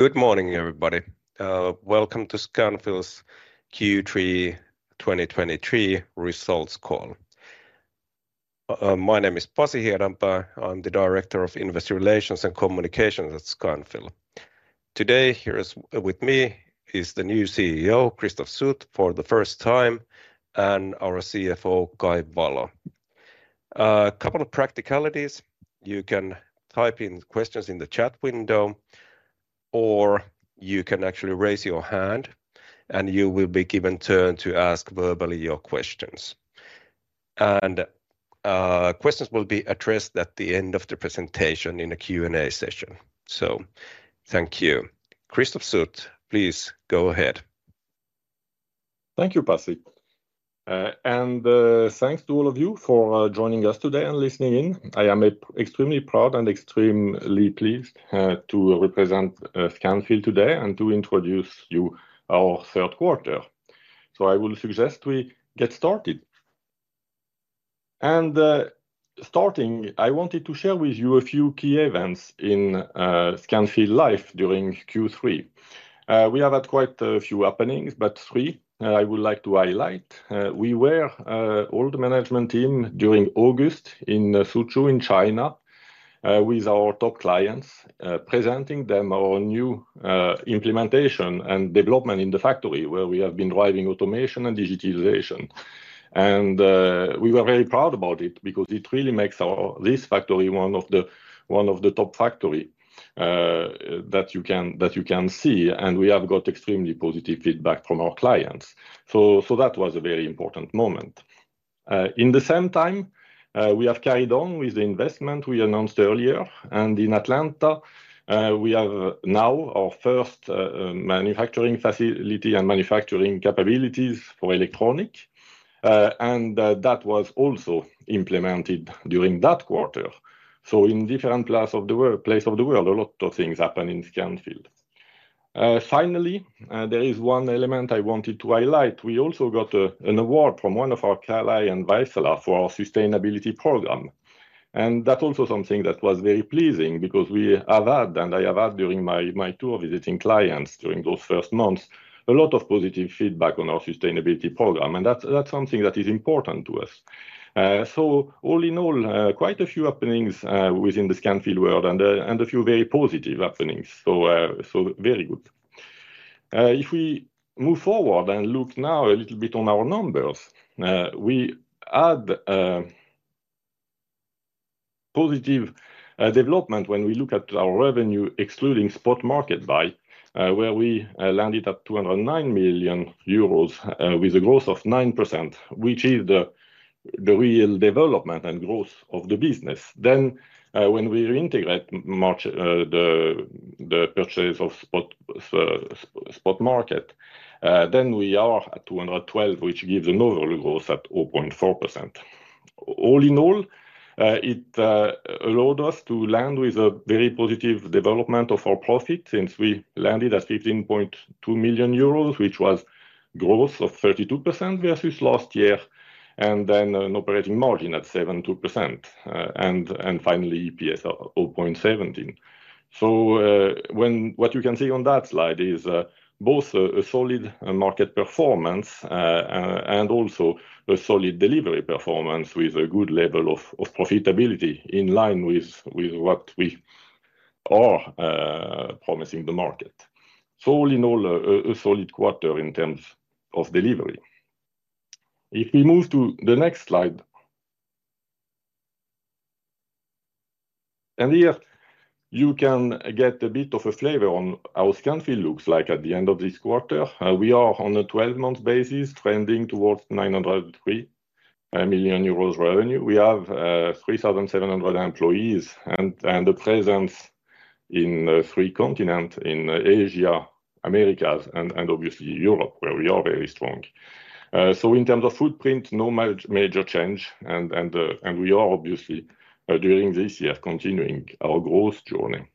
Good morning, everybody. Welcome to Scanfil's Q3 2023 results call. My name is Pasi Hiedanpää. I'm the Director of Investor Relations and Communications at Scanfil. Today, with me, is the new CEO, Christophe Sut, for the first time, and our CFO, Kai Valo. A couple of practicalities: You can type in questions in the chat window, or you can actually raise your hand, and you will be given turn to ask verbally your questions. Questions will be addressed at the end of the presentation in a Q&A session. Thank you. Christophe Sut, please go ahead. Thank you, Pasi. And thanks to all of you for joining us today and listening in. I am extremely proud and extremely pleased to represent Scanfil today, and to introduce you our third quarter. So I will suggest we get started. And starting, I wanted to share with you a few key events in Scanfil life during Q3. We have had quite a few happenings, but three I would like to highlight. We were all the management team during August in Suzhou, in China, with our top clients, presenting them our new implementation and development in the factory, where we have been driving automation and digitization. And, we were very proud about it because it really makes of this factory one of the top factory that you can see, and we have got extremely positive feedback from our clients. So that was a very important moment. At the same time, we have carried on with the investment we announced earlier, and in Atlanta, we have now our first manufacturing facility and manufacturing capabilities for electronics. And that was also implemented during that quarter. So in different parts of the world, places of the world, a lot of things happened in Scanfil. Finally, there is one element I wanted to highlight. We also got an award from Carrier Global Corporation for our sustainability program. And that's also something that was very pleasing because we have had, and I have had during my, my tour visiting clients during those first months, a lot of positive feedback on our sustainability program, and that's, that's something that is important to us. So all in all, quite a few happenings within the Scanfil world and a few very positive happenings. So, so very good. If we move forward and look now a little bit on our numbers, we had positive development when we look at our revenue, excluding spot market buy, where we landed at 209 million euros with a growth of 9%, which is the real development and growth of the business. When we reintegrate back, the purchase of spot market, then we are at 212, which gives an overall growth at 0.4%. All in all, it allowed us to land with a very positive development of our profit since we landed at 15.2 million euros, which was growth of 32% versus last year, and then an operating margin at 7.2%, and finally, EPS of 0.17. What you can see on that slide is both a solid market performance and also a solid delivery performance with a good level of profitability in line with what we are promising the market. All in all, a solid quarter in terms of delivery. If we move to the next slide. Here you can get a bit of a flavor on how Scanfil looks like at the end of this quarter. We are on a twelve-month basis, trending towards 903 million euros revenue. We have 3,700 employees and a presence in three continents, in Asia, Americas, and obviously Europe, where we are very strong. So in terms of footprint, no major change, and we are obviously during this year continuing our growth journey.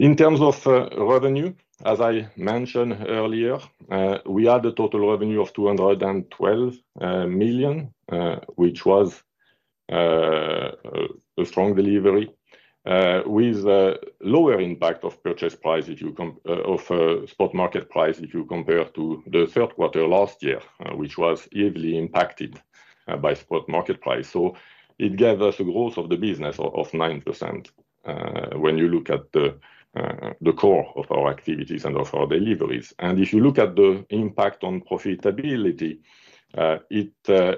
In terms of revenue, as I mentioned earlier, we had a total revenue of 212 million, which was a strong delivery with a lower impact of purchase price if you com... Of spot market price, if you compare to the third quarter last year, which was heavily impacted by spot market price. So it gave us a growth of the business of 9% when you look at the core of our activities and of our deliveries. And if you look at the impact on profitability, it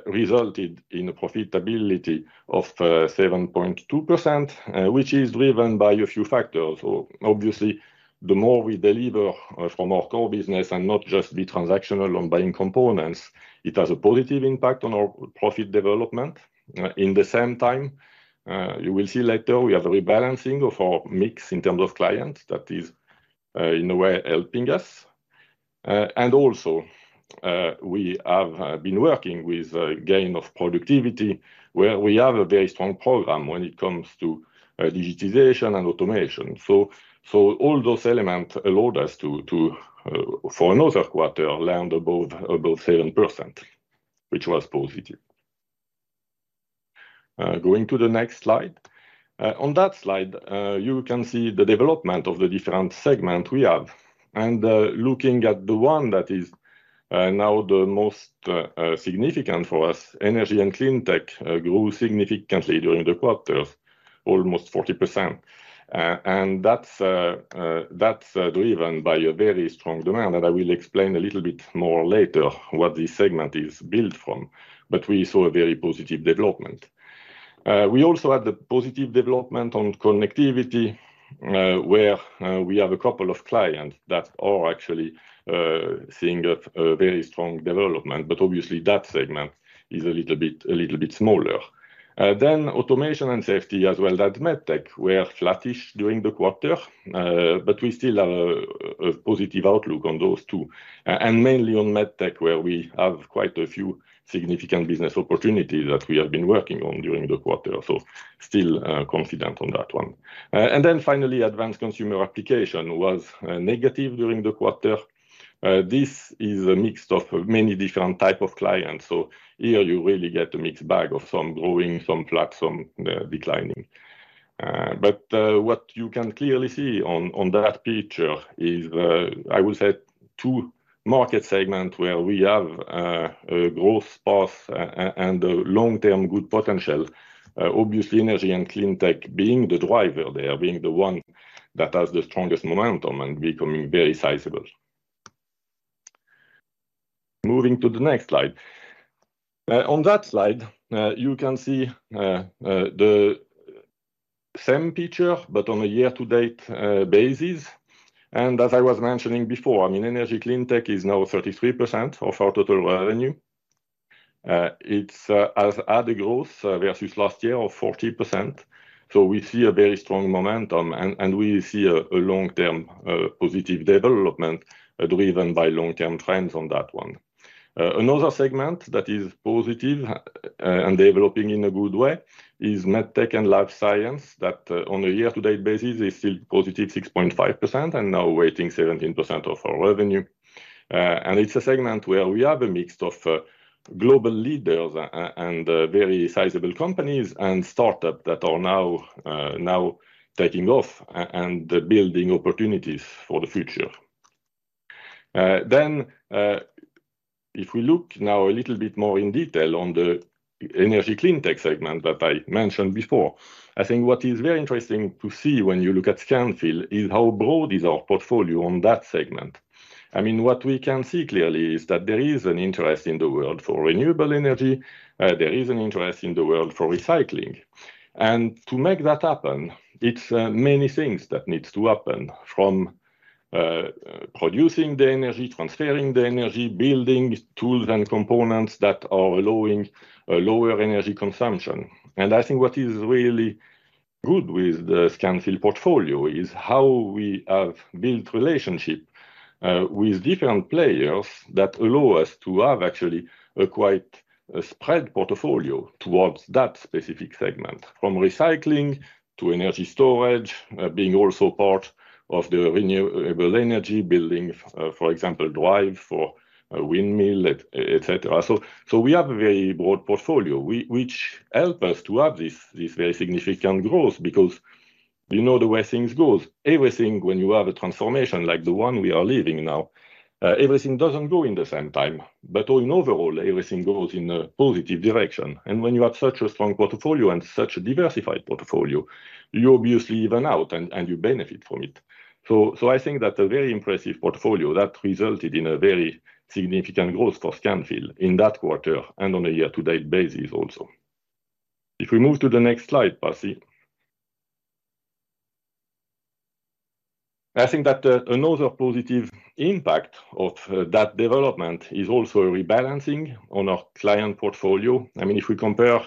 resulted in a profitability of 7.2%, which is driven by a few factors. So obviously, the more we deliver from our core business and not just be transactional on buying components, it has a positive impact on our profit development. In the same time, you will see later, we have a rebalancing of our mix in terms of clients that is in a way helping us. And also, we have been working with gain of productivity, where we have a very strong program when it comes to digitization and automation. So all those elements allowed us to for another quarter land above 7%... which was positive. Going to the next slide. On that slide, you can see the development of the different segment we have, and looking at the one that is now the most significant for us, Energy & Cleantech, grew significantly during the quarter, almost 40%. And that's driven by a very strong demand, and I will explain a little bit more later what this segment is built from, but we saw a very positive development. We also had the positive development on Connectivity, where we have a couple of clients that are actually seeing a very strong development, but obviously that segment is a little bit smaller. Then Automation & Safety as well as Medtec were flattish during the quarter, but we still have a positive outlook on those two, and mainly on Medtech, where we have quite a few significant business opportunities that we have been working on during the quarter. So still confident on that one. And then finally, Advanced Consumer Applications was negative during the quarter. This is a mix of many different type of clients, so here you really get a mixed bag of some growing, some flat, some declining. But what you can clearly see on that picture is, I would say two market segments where we have a growth path and a long-term good potential. Obviously, Energy & Cleantech being the driver there, being the one that has the strongest momentum and becoming very sizable. Moving to the next slide. On that slide you can see the same picture, but on a year-to-date basis. And as I was mentioning before, I mean, Energy & Cleantech is now 33% of our total revenue. It has had a growth versus last year of 40%, so we see a very strong momentum, and we see a long-term positive development driven by long-term trends on that one. Another segment that is positive and developing in a good way is Medtec and Life Science, that on a year-to-date basis is still positive, 6.5%, and now weighing 17% of our revenue. And it's a segment where we have a mix of global leaders and very sizable companies and startups that are now taking off and building opportunities for the future. Then, if we look now a little bit more in detail on the Energy & Cleantech segment that I mentioned before, I think what is very interesting to see when you look at Scanfil is how broad is our portfolio on that segment. I mean, what we can see clearly is that there is an interest in the world for renewable energy, there is an interest in the world for recycling. And to make that happen, it's many things that needs to happen, from producing the energy, transferring the energy, building tools and components that are allowing a lower energy consumption. And I think what is really good with the Scanfil portfolio is how we have built relationships with different players that allow us to have actually a quite a spread portfolio towards that specific segment. From recycling to energy storage, being also part of the renewable energy building, for example, drive for a windmill, et cetera. So we have a very broad portfolio, which help us to have this very significant growth, because you know the way things goes. Everything, when you have a transformation like the one we are living now, everything doesn't go in the same time, but overall, everything goes in a positive direction. And when you have such a strong portfolio and such a diversified portfolio, you obviously even out and you benefit from it. So I think that's a very impressive portfolio that resulted in a very significant growth for Scanfil in that quarter and on a year-to-date basis also. If we move to the next slide, Pasi. I think that another positive impact of that development is also a rebalancing on our client portfolio. I mean, if we compare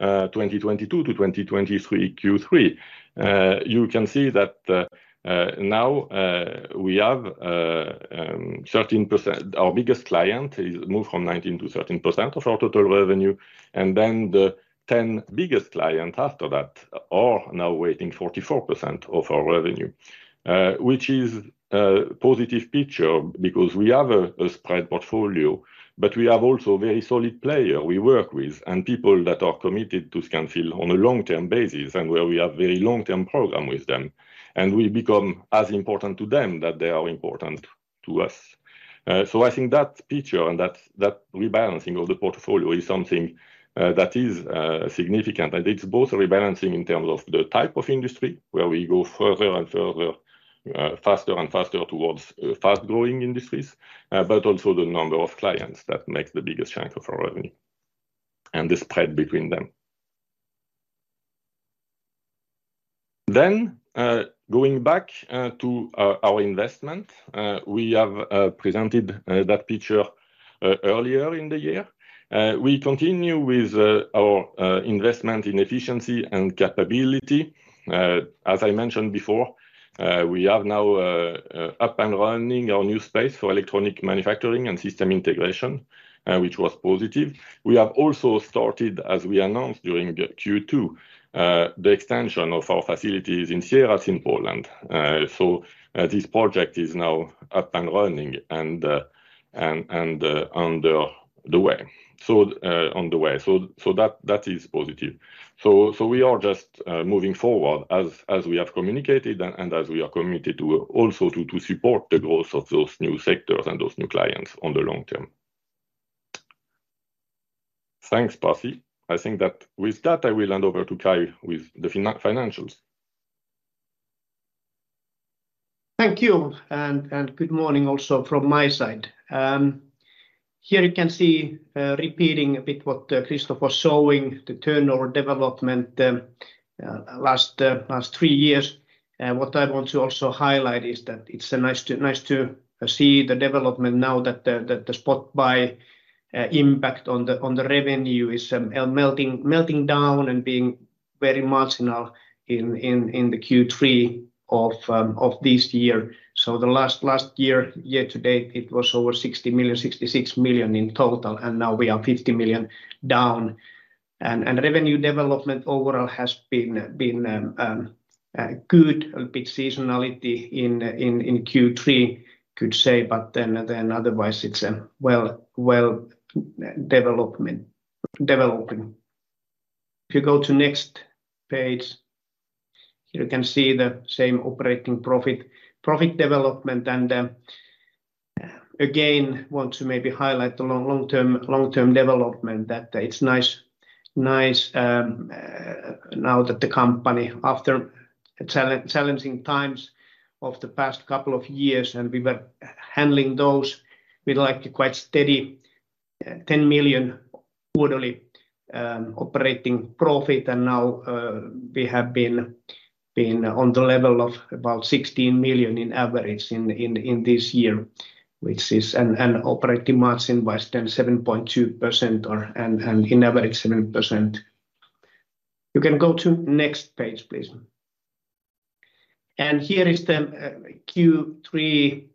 2022 to 2023 Q3, you can see that now we have 13%-- Our biggest client is moved from 19% to 13% of our total revenue, and then the 10 biggest clients after that are now weighing 44% of our revenue. which is a positive picture because we have a spread portfolio, but we have also a very solid player we work with, and people that are committed to Scanfil on a long-term basis, and where we have very long-term program with them, and we become as important to them, that they are important to us. So I think that picture and that rebalancing of the portfolio is something that is significant, and it's both rebalancing in terms of the type of industry, where we go further and further, faster and faster towards fast-growing industries, but also the number of clients that make the biggest chunk of our revenue, and the spread between them. Then, going back to our investment, we have presented that picture earlier in the year. We continue with our investment in efficiency and capability. As I mentioned before, we have now up and running our new space for electronic manufacturing and system integration, which was positive. We have also started, as we announced during the Q2, the extension of our facilities in Sieradz in Poland. So, this project is now up and running, and, and, and, under the way. So, on the way. So, so that, that is positive. So, so we are just moving forward as, as we have communicated and, and as we are committed to also to, to support the growth of those new sectors and those new clients on the long term. Thanks, Pasi. I think that with that, I will hand over to Kai with the financials. Thank you. And good morning also from my side. Here you can see, repeating a bit what Christophe was showing, the turnover development, last 3 years. What I want to also highlight is that it's nice to see the development now that the spot buy impact on the revenue is melting down and being very marginal in the Q3 of this year. So last year year to date, it was over 60 million, 66 million in total, and now we are 50 million down. And revenue development overall has been good. A bit seasonality in Q3, could say, but then otherwise it's well developing. If you go to next page, you can see the same operating profit, profit development. Again, want to maybe highlight the long-term, long-term development, that it's nice, nice, now that the company, after challenging times of the past couple of years, and we were handling those, we'd like to quite steady, 10 million quarterly, operating profit. Now, we have been, been on the level of about 16 million in average in, in, in this year, which is... And, operating margin was then 7.2% or, and, and in average, 7%. You can go to next page, please. Here is the Q3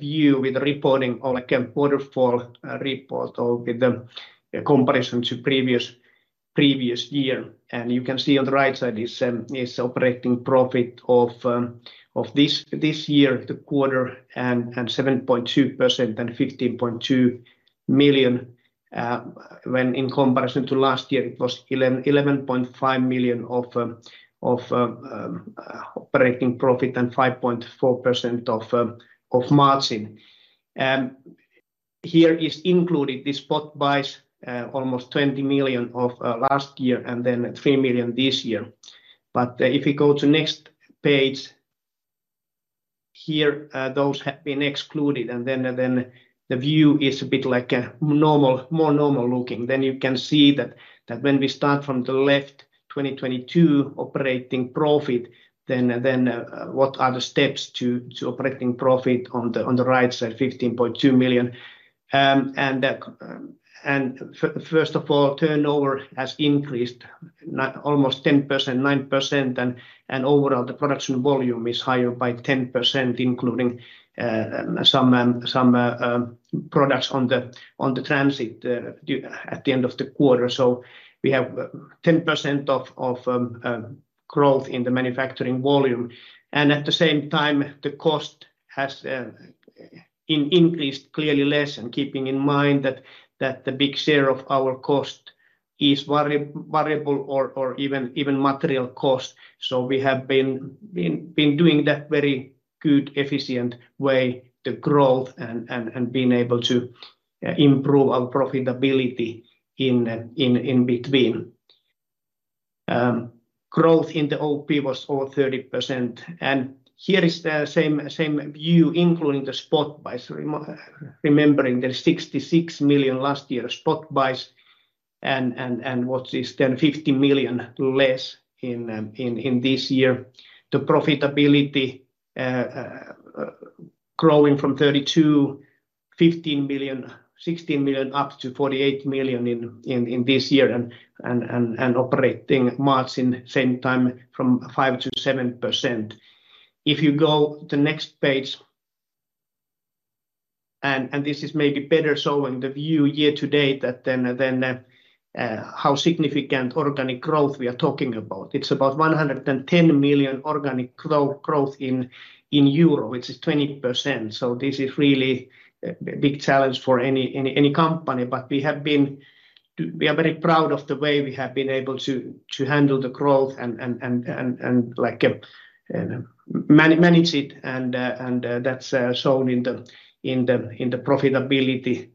view with reporting or like a waterfall, report or with the comparison to previous, previous year. And you can see on the right side is operating profit of this year, the quarter, and 7.2% and 15.2 million. When in comparison to last year, it was 11.5 million of operating profit and 5.4% of margin. Here is included the spot buys, almost 20 million of last year and then 3 million this year. But if you go to next page, here, those have been excluded, and then the view is a bit like a normal, more normal looking. Then you can see that when we start from the left, 2022 operating profit, then what are the steps to operating profit on the right side, 15.2 million. First of all, turnover has increased almost 10%, 9%, and overall, the production volume is higher by 10%, including some products on the transit at the end of the quarter. So we have 10% growth in the manufacturing volume, and at the same time, the cost has increased clearly less, and keeping in mind that the big share of our cost is variable or even material cost. So we have been doing that very good efficient way, the growth and being able to improve our profitability in between. Growth in the OP was over 30%, and here is the same view, including the spot buys. Remembering the 66 million last year spot buys and what is then 50 million less in this year. The profitability growing from 32, 15 million, 16 million, up to 48 million in this year, and operating margin same time from 5%-7%. If you go the next page, this is maybe better showing the view year to date than how significant organic growth we are talking about. It's about 110 million organic growth in EUR, which is 20%. So this is really a big challenge for any company. We are very proud of the way we have been able to handle the growth and, like, manage it, and that's shown in the profitability,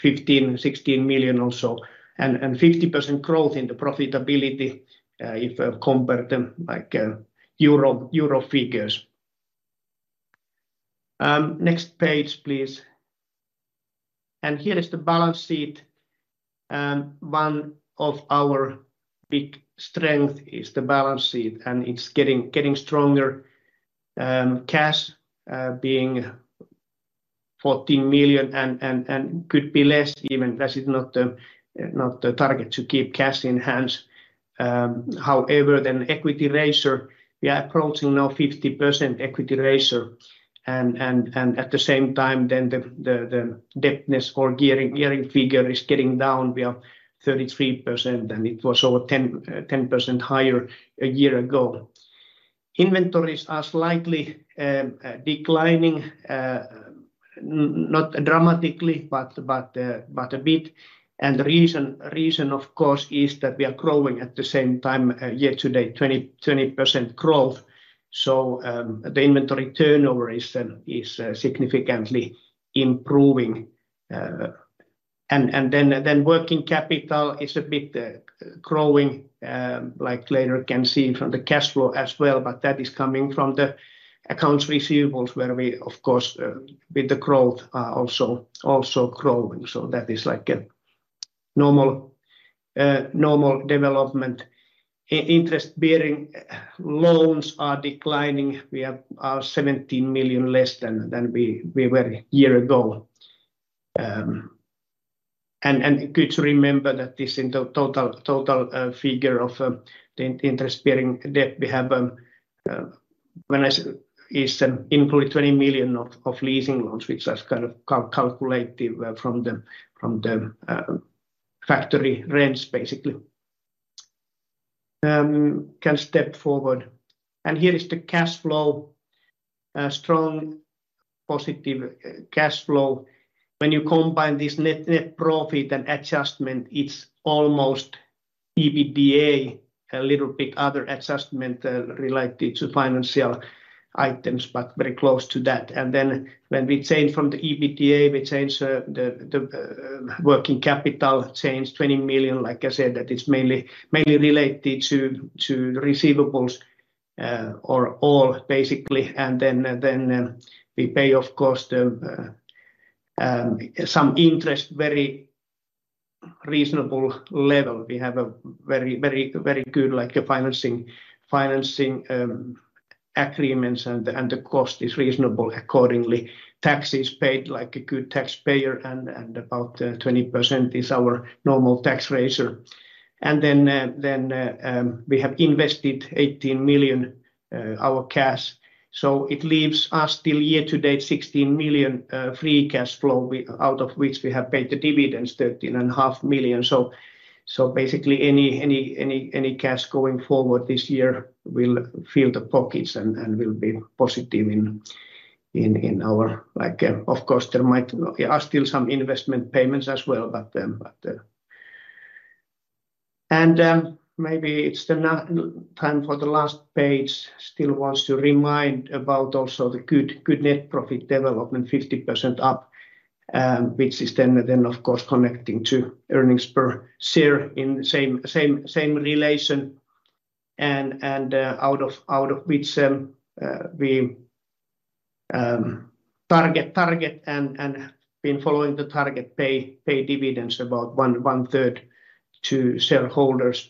15-16 million or so. And 50% growth in the profitability, if you compare them like euro figures. Next page, please. And here is the balance sheet. One of our big strength is the balance sheet, and it's getting stronger. Cash being 14 million and could be less even that is not the target to keep cash in hands. However, then equity ratio, we are approaching now 50% equity ratio. And at the same time, then the indebtedness or gearing figure is getting down. We are 33%, and it was over 10% higher a year ago. Inventories are slightly declining, not dramatically, but a bit. And the reason, of course, is that we are growing at the same time, year to date, 20% growth. So, the inventory turnover is significantly improving. And then working capital is a bit growing, like later can see from the cash flow as well, but that is coming from the accounts receivables, where we, of course, with the growth, are also growing. So that is like a normal development. Interest-bearing loans are declining. We have 17 million less than we were a year ago. And good to remember that this in the total figure of the interest bearing debt, we have, when I say, it includes 20 million of leasing loans, which is kind of calculated from the factory rents, basically. Can step forward. And here is the cash flow. A strong positive cash flow. When you combine this net profit and adjustment, it's almost EBITDA, a little bit other adjustment related to financial items, but very close to that. And then when we change from the EBITDA, we change the working capital change 20 million, like I said, that is mainly related to receivables, overall basically. And then we pay, of course, some interest, very reasonable level. We have a very, very, very good, like a financing agreements, and the cost is reasonable accordingly. Tax is paid like a good taxpayer, and about 20% is our normal tax ratio. And then we have invested 18 million our cash, so it leaves us still year to date 16 million free cash flow, out of which we have paid the dividends 13.5 million. So basically any cash going forward this year will fill the pockets and will be positive in our. Like, of course, there might be still some investment payments as well, but. And maybe it's now time for the last page. Still wants to remind about also the good net profit development, 50% up, which is then, of course, connecting to earnings per share in same relation. And out of which, we target and been following the target pay dividends about one third to shareholders.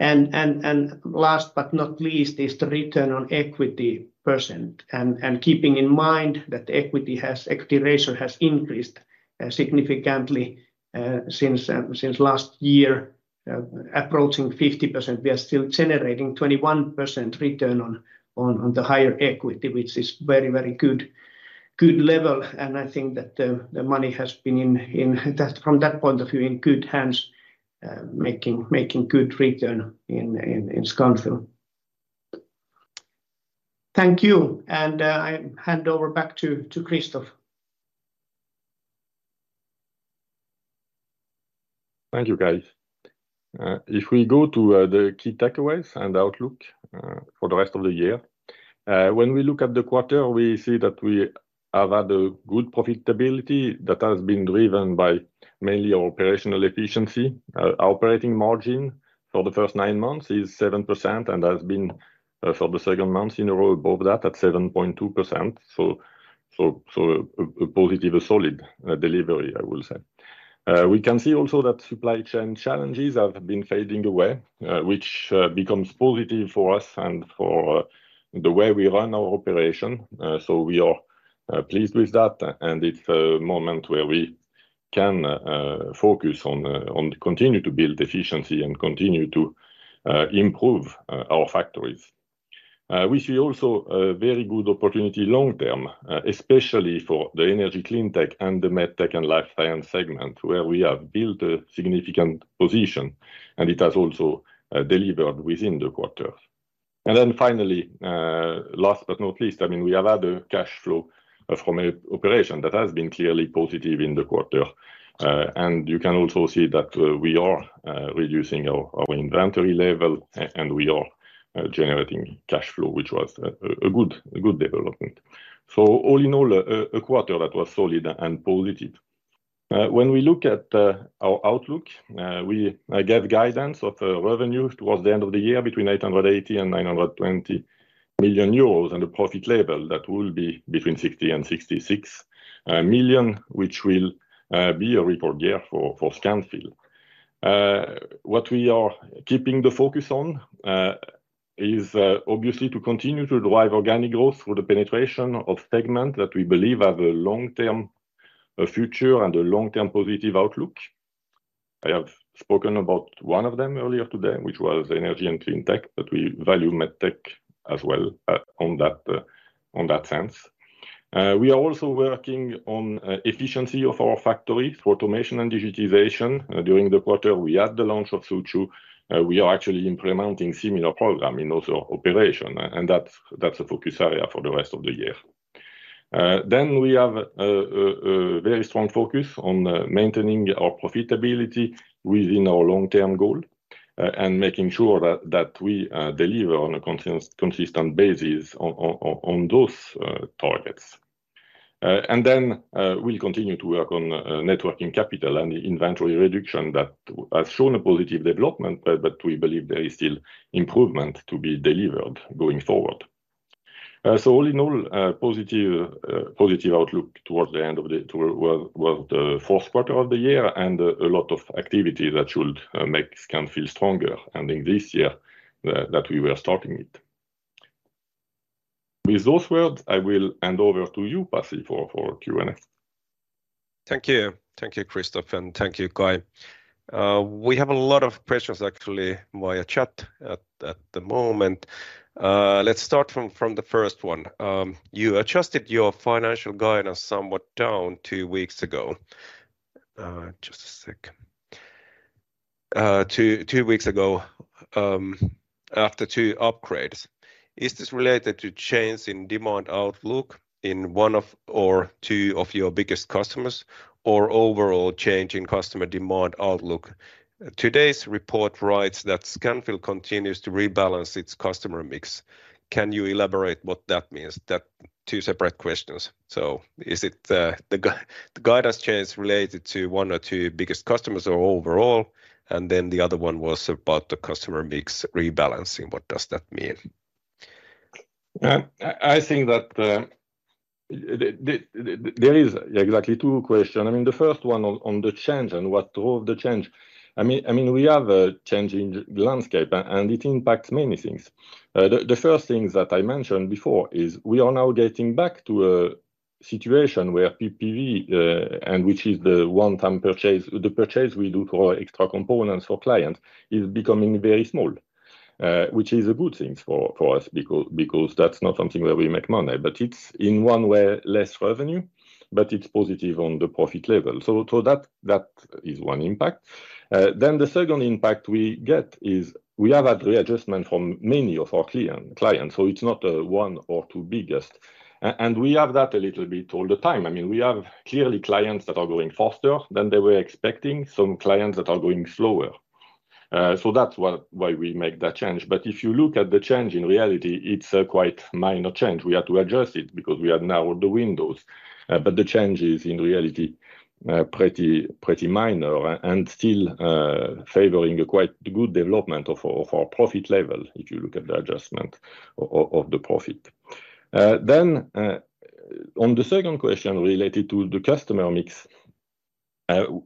And last but not least, is the return on equity %. And keeping in mind that equity has, equity ratio has increased significantly since last year, approaching 50%. We are still generating 21% return on the higher equity, which is very good level. And I think that the money has been in that... from that point of view, in good hands, making good return in Scanfil. Thank you, and I hand over back to Christophe. Thank you, guys. If we go to the key takeaways and outlook for the rest of the year, when we look at the quarter, we see that we have had a good profitability that has been driven by mainly operational efficiency. Operating margin for the first nine months is 7% and has been for the second month in a row above that at 7.2%. So, a positive, a solid delivery, I will say. We can see also that supply chain challenges have been fading away, which becomes positive for us and for the way we run our operation. So we are pleased with that, and it's a moment where we can focus on continue to build efficiency and continue to improve our factories. We see also a very good opportunity long term, especially for the Energy & Cleantech and the Medtec & Life Science segment, where we have built a significant position, and it has also delivered within the quarter. And then finally, last but not least, I mean, we have had a cash flow from operations that has been clearly positive in the quarter. And you can also see that we are reducing our inventory level, and we are generating cash flow, which was a good development. So all in all, a quarter that was solid and positive. When we look at our outlook, we gave guidance of revenue towards the end of the year between 880 million and 920 million euros, and the profit level that will be between 60 million and 66 million, which will be a record year for Scanfil. What we are keeping the focus on is obviously to continue to drive organic growth through the penetration of segment that we believe have a long-term future and a long-term positive outlook. I have spoken about one of them earlier today, which was Energy & Cleantech, but we value Medtec as well, on that sense. We are also working on efficiency of our factories for automation and digitization. During the quarter, we had the launch of Suzhou. We are actually implementing similar program in those operation, and that's a focus area for the rest of the year. Then we have a very strong focus on maintaining our profitability within our long-term goal, and making sure that we deliver on a consistent basis on those targets. And then we'll continue to work on net working capital and inventory reduction that has shown a positive development, but we believe there is still improvement to be delivered going forward. So all in all, a positive outlook towards the end of the toward, well, the fourth quarter of the year, and a lot of activity that should make Scanfil stronger, and in this year that we were starting it. With those words, I will hand over to you, Pasi, for Q&A. Thank you. Thank you, Christophe, and thank you, Kai. We have a lot of questions actually via chat at the moment. Let's start from the first one. You adjusted your financial guidance somewhat down two weeks ago. Just a sec. Two weeks ago, after two upgrades. Is this related to change in demand outlook in one of or two of your biggest customers, or overall change in customer demand outlook? Today's report writes that Scanfil continues to rebalance its customer mix. Can you elaborate what that means? That's two separate questions. So is it the guidance change related to one or two biggest customers or overall? And then the other one was about the customer mix rebalancing, what does that mean? I think that there is exactly two question. I mean, the first one on the change and what drove the change, I mean, we have a changing landscape and it impacts many things. The first things that I mentioned before is we are now getting back to a situation where PPV, and which is the one-time purchase, the purchase we do for extra components for clients, is becoming very small. Which is a good thing for us, because that's not something where we make money, but it's in one way, less revenue, but it's positive on the profit level. So that is one impact. Then the second impact we get is we have had readjustment from many of our clients, so it's not one or two biggest. We have that a little bit all the time. I mean, we have clearly clients that are growing faster than they were expecting, some clients that are growing slower. That's why we make that change. But if you look at the change, in reality, it's a quite minor change. We had to adjust it because we are narrowing the windows, but the change is, in reality, pretty minor and still favoring a quite good development of our profit level, if you look at the adjustment of the profit. Then, on the second question related to the customer mix,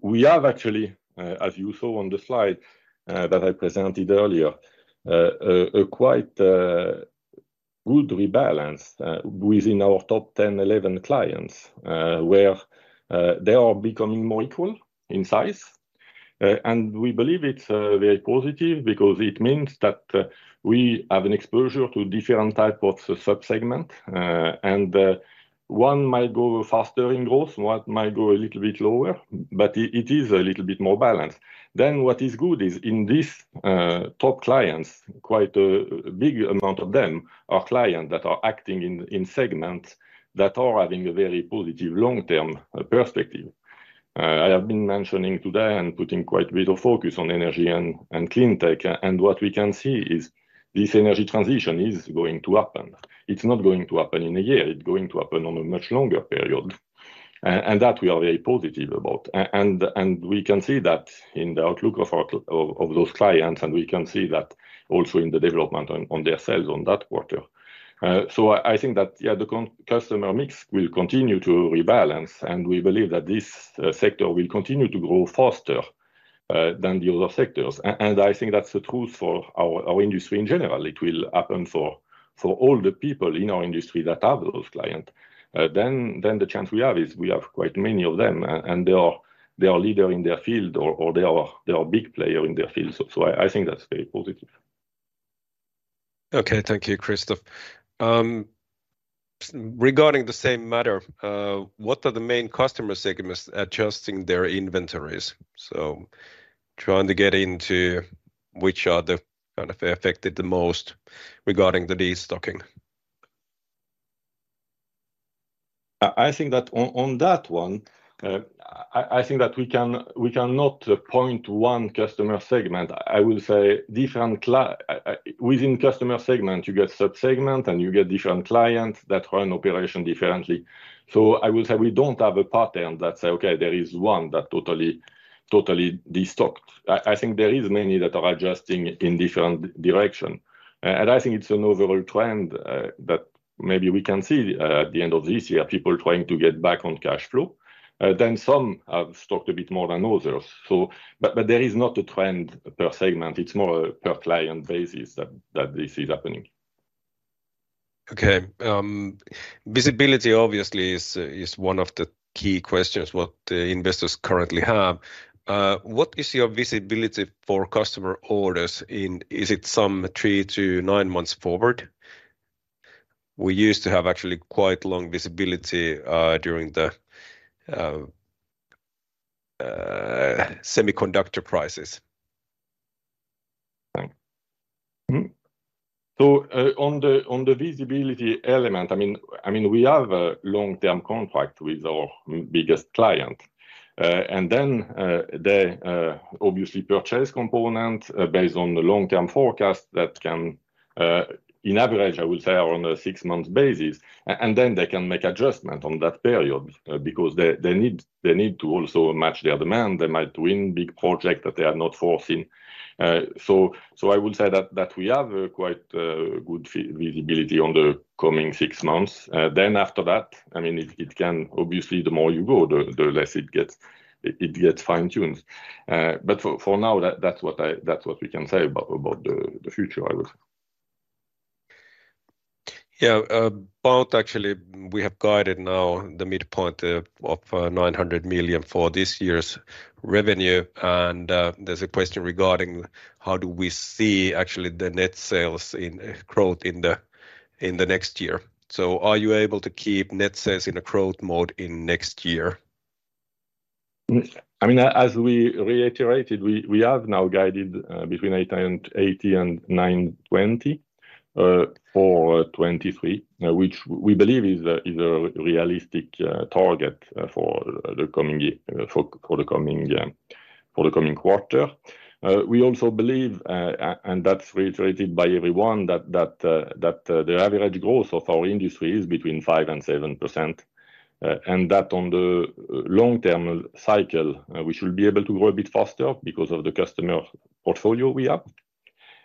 we have actually, as you saw on the slide that I presented earlier, a quite good rebalance within our top ten, eleven clients, where they are becoming more equal in size. And we believe it's very positive because it means that we have an exposure to different type of sub-segment. And one might go faster in growth, one might go a little bit lower, but it is a little bit more balanced. Then what is good is in this top clients, quite a big amount of them are clients that are acting in segments that are having a very positive long-term perspective. I have been mentioning today and putting quite a bit of focus on Energy & Cleantech, and what we can see is this energy transition is going to happen. It's not going to happen in a year, it's going to happen on a much longer period, and that we are very positive about. And we can see that in the outlook of our, of those clients, and we can see that also in the development on their sales on that quarter. So I think that, yeah, the customer mix will continue to rebalance, and we believe that this sector will continue to grow faster than the other sectors. And I think that's the truth for our industry in general. It will happen for all the people in our industry that have those client. Then the chance we have is we have quite many of them, and they are leader in their field, or they are big player in their field. So I think that's very positive. Okay. Thank you, Christophe. Regarding the same matter, what are the main customer segments adjusting their inventories? So trying to get into which are the kind of affected the most regarding the destocking. I think that on that one, I think that we can, we cannot point one customer segment. I will say, within customer segment, you get sub-segment, and you get different clients that run operation differently. So I will say we don't have a pattern that say, "Okay, there is one that totally, totally destocked." I think there is many that are adjusting in different direction. And I think it's an overall trend that maybe we can see at the end of this year, people trying to get back on cash flow, then some have stocked a bit more than others. So but, but there is not a trend per segment, it's more per client basis that, that this is happening.... Okay. Visibility obviously is one of the key questions what the investors currently have. What is your visibility for customer orders in... Is it some 3-9 months forward? We used to have actually quite long visibility during the semiconductor prices. Thanks. Mm-hmm. So, on the visibility element, I mean, we have a long-term contract with our biggest client. And then, they obviously purchase component based on the long-term forecast that can, in average, I would say, are on a six-month basis. And then they can make adjustment on that period, because they need to also match their demand. They might win big project that they are not foreseen. So, I would say that we have a quite good visibility on the coming six months. Then after that, I mean, it can obviously, the more you go, the less it gets, it gets fine-tuned. But for now, that's what we can say about the future, I would say. Yeah. About actually, we have guided now the midpoint of 900 million for this year's revenue, and there's a question regarding how do we see actually the net sales in growth in the next year? So are you able to keep net sales in a growth mode in next year? I mean, as we reiterated, we have now guided between 880 and 920 for 2023, which we believe is a realistic target for the coming year—for the coming quarter. We also believe, and that's reiterated by everyone, that the average growth of our industry is between 5% and 7%. And that on the long-term cycle, we should be able to grow a bit faster because of the customer portfolio we have.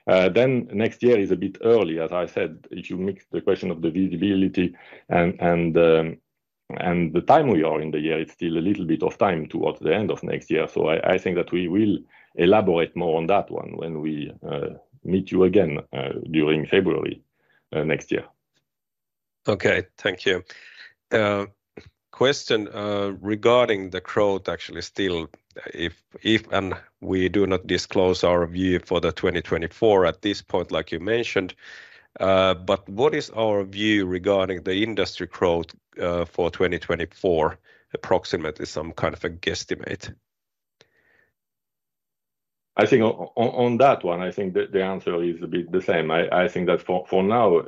Then next year is a bit early. As I said, if you mix the question of the visibility and the time we are in the year, it's still a little bit of time towards the end of next year. I, I think that we will elaborate more on that one when we meet you again during February next year. Okay. Thank you. Question regarding the growth, actually, still, if and we do not disclose our view for 2024 at this point, like you mentioned, but what is our view regarding the industry growth for 2024, approximately some kind of a guesstimate? I think on that one, I think the answer is a bit the same. I think that for now,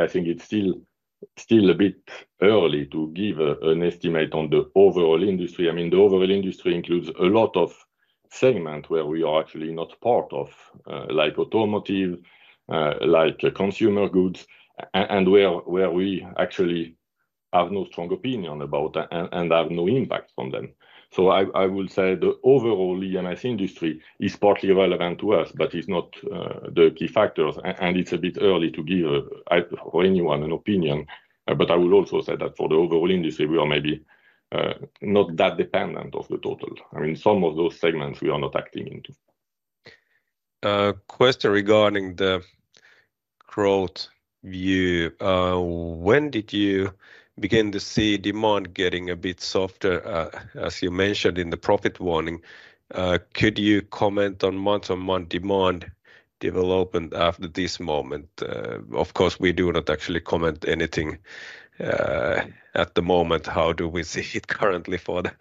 I think it's still a bit early to give an estimate on the overall industry. I mean, the overall industry includes a lot of segment where we are actually not part of, like automotive, like consumer goods, and where we actually have no strong opinion about and have no impact on them. So I would say the overall EMS industry is partly relevant to us, but it's not the key factors, and it's a bit early to give or anyone an opinion. But I would also say that for the overall industry, we are maybe not that dependent of the total. I mean, some of those segments we are not acting into. Question regarding the growth view. When did you begin to see demand getting a bit softer, as you mentioned in the profit warning? Could you comment on month-on-month demand development after this moment? Of course, we do not actually comment anything, at the moment. How do we see it currently for the-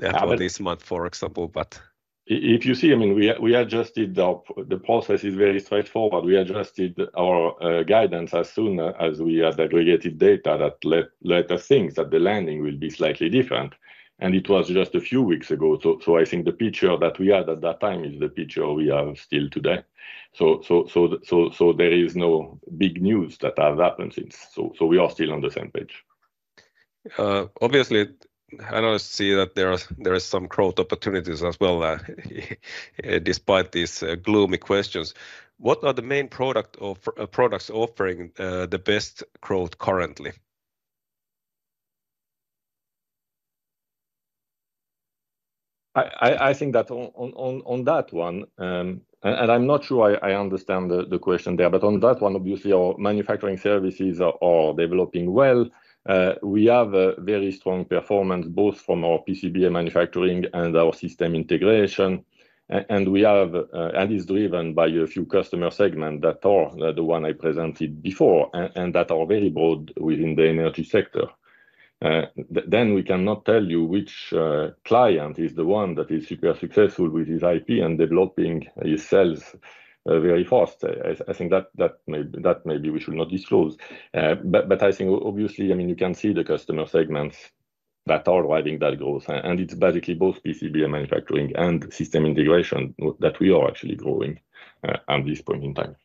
Yeah for this month, for example, but If you see, I mean, we adjusted the... The process is very straightforward. We adjusted our guidance as soon as we had aggregated data that let us think that the landing will be slightly different, and it was just a few weeks ago. So, I think the picture that we had at that time is the picture we have still today. So, there is no big news that have happened since. So, we are still on the same page. Obviously, I now see that there are, there are some growth opportunities as well, despite these gloomy questions. What are the main products offering the best growth currently? I think that on that one, and I'm not sure I understand the question there, but on that one, obviously, our manufacturing services are developing well. We have a very strong performance both from our PCBA manufacturing and our system integration. And we have, and is driven by a few customer segment that are the one I presented before and that are available within the energy sector. Then we cannot tell you which client is the one that is super successful with his IP and developing his sales very fast. I think that maybe we should not disclose. But I think obviously, I mean, you can see the customer segments that are driving that growth, and it's basically both PCBA manufacturing and system integration that we are actually growing, at this point in time.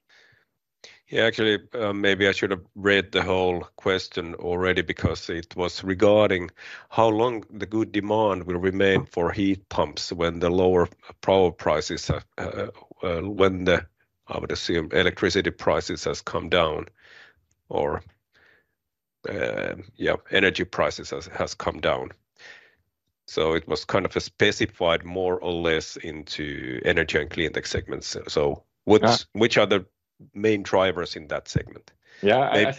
Yeah, actually, maybe I should have read the whole question already, because it was regarding how long the good demand will remain for heat pumps when the lower power prices, when the, I would assume, electricity prices has come down or, yeah, energy prices has come down.... So it was kind of a specified more or less into Energy & Cleantech segments. So what's- Yeah. Which are the main drivers in that segment? Yeah, I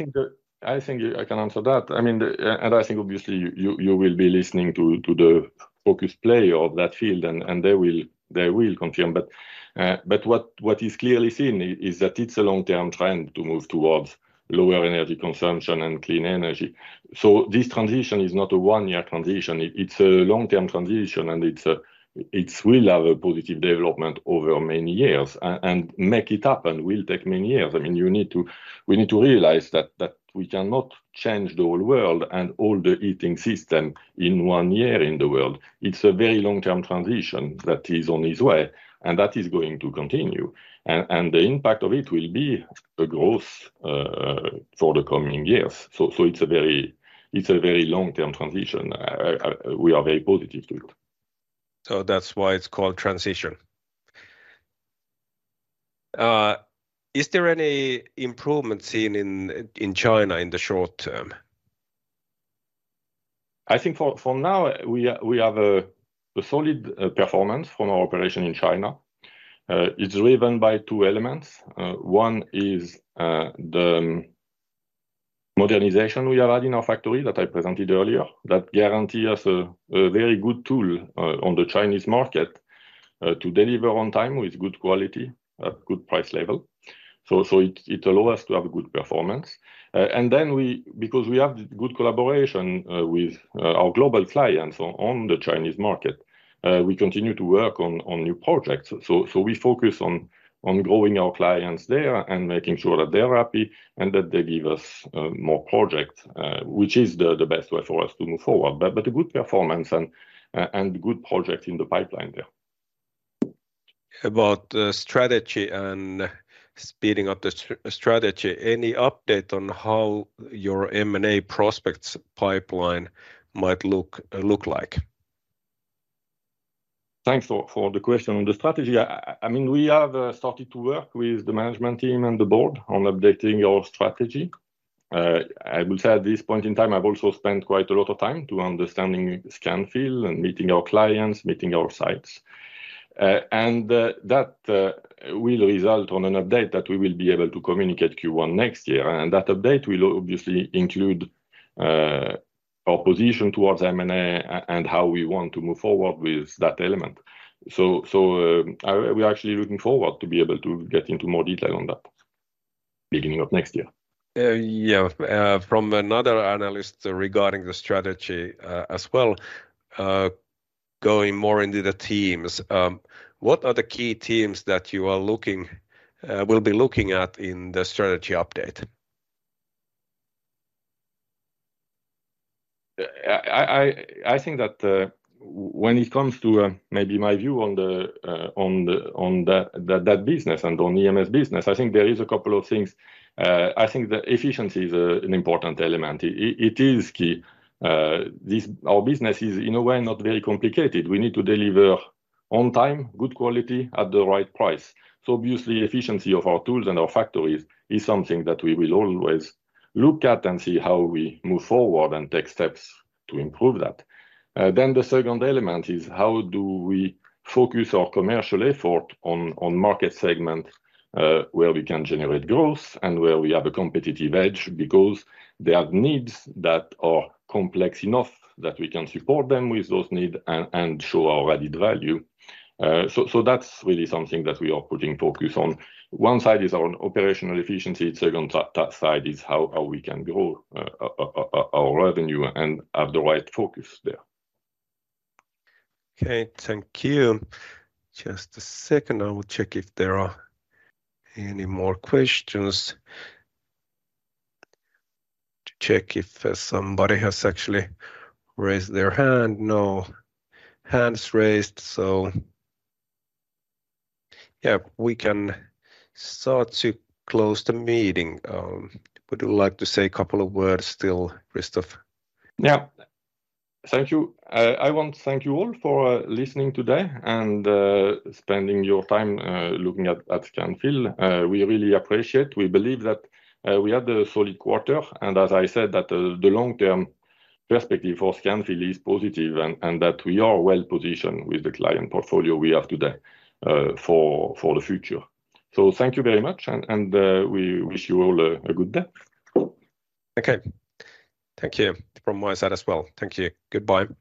think I can answer that. I mean, and I think obviously, you will be listening to the focus player of that field, and they will confirm. But what is clearly seen is that it's a long-term trend to move towards lower energy consumption and clean energy. So this transition is not a one-year transition, it's a long-term transition, and it will have a positive development over many years, and make it up and will take many years. I mean, you need to—we need to realize that we cannot change the whole world and all the heating system in one year in the world. It's a very long-term transition that is on its way, and that is going to continue, and the impact of it will be a growth for the coming years. So, it's a very long-term transition. We are very positive to it. That's why it's called transition. Is there any improvement seen in China in the short term? I think for now, we have a solid performance from our operation in China. It's driven by two elements. One is the modernization we have had in our factory that I presented earlier, that guarantee us a very good tool on the Chinese market to deliver on time with good quality, at good price level. So it allow us to have a good performance. And then, because we have good collaboration with our global clients on the Chinese market, we continue to work on new projects. So we focus on growing our clients there and making sure that they're happy and that they give us more projects, which is the best way for us to move forward. But a good performance and good project in the pipeline there. About the strategy and speeding up the strategy, any update on how your M&A prospects pipeline might look like? Thanks for the question. On the strategy, I mean, we have started to work with the management team and the board on updating our strategy. I will say at this point in time, I've also spent quite a lot of time to understanding Scanfil and meeting our clients, meeting our sites. And that will result on an update that we will be able to communicate Q1 next year, and that update will obviously include our position towards M&A and how we want to move forward with that element. So, we're actually looking forward to be able to get into more detail on that beginning of next year. Yeah. From another analyst regarding the strategy, as well, going more into the teams, what are the key teams that you are looking, will be looking at in the strategy update? I think that when it comes to maybe my view on that business and on EMS business, I think there is a couple of things. I think the efficiency is an important element. It is key. Our business is, in a way, not very complicated. We need to deliver on time, good quality, at the right price. So obviously, efficiency of our tools and our factories is something that we will always look at and see how we move forward and take steps to improve that. Then the second element is: how do we focus our commercial effort on market segment where we can generate growth and where we have a competitive edge? Because there are needs that are complex enough that we can support them with those needs and show our added value. So that's really something that we are putting focus on. One side is our operational efficiency, the second side is how we can grow our revenue and have the right focus there. Okay, thank you. Just a second. I will check if there are any more questions. To check if somebody has actually raised their hand. No hands raised, so yeah, we can start to close the meeting. Would you like to say a couple of words still, Christophe? Yeah. Thank you. I want to thank you all for listening today and spending your time looking at Scanfil. We really appreciate. We believe that we had a solid quarter, and as I said, that the long-term perspective for Scanfil is positive, and that we are well positioned with the client portfolio we have today for the future. So thank you very much, and we wish you all a good day. Okay. Thank you from my side as well. Thank you. Goodbye.